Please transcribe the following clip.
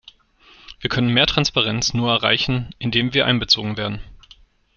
Wir können mehr Transparenz nur erreichen, indem wir einbezogen werden.